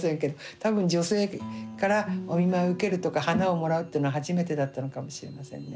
多分女性からお見舞いを受けるとか花をもらうっていうのは初めてだったのかもしれませんね。